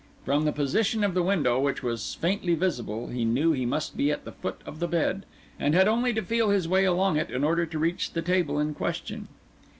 From the position of the window, which was faintly visible, he knew he must be at the foot of the bed, and had only to feel his way along it in order to reach the table in question.